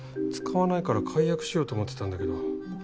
使わないから解約しようと思ってたんだけど。